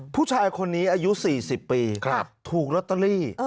ผู้ชายคนนี้อายุ๔๐ปีถูกลอตเตอรี่